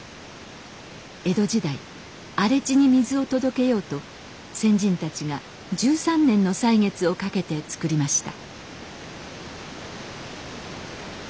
江戸時代荒れ地に水を届けようと先人たちが１３年の歳月をかけてつくりました。